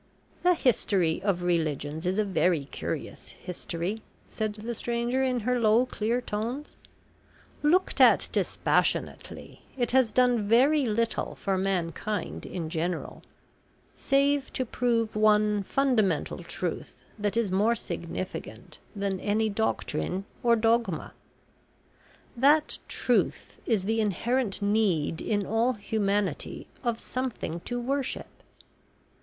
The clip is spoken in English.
"The history of religions is a very curious history," said the stranger in her low clear tones. "Looked at dispassionately, it has done very little for mankind in general, save to prove one fundamental truth that is more significant than any doctrine or dogma. That truth is the inherent need in all humanity of something to worship.